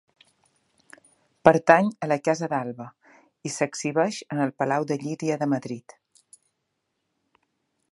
Pertany a la Casa d'Alba i s'exhibeix en el Palau de Llíria de Madrid.